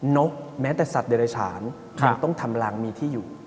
นกแม้แต่สัตว์เดรฉานยังต้องทำรังมีที่อยู่